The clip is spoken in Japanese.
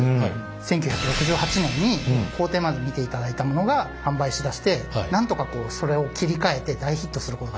１９６８年に工程まで見ていただいたものが販売しだしてなんとかこうそれを切り替えて大ヒットすることができたという。